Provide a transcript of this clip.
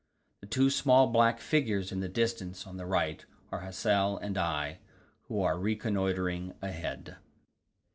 The two small black figures in the distance, on the right, are Hassel and I, who are reconnoitring ahead.